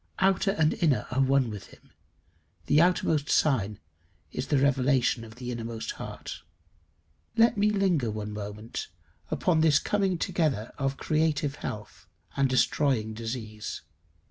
Outer and inner are one with him: the outermost sign is the revelation of the innermost heart. Let me linger one moment upon this coming together of creative health and destroying disease.